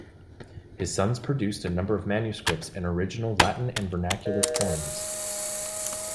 His sons produced a number of manuscripts and original Latin and vernacular poems.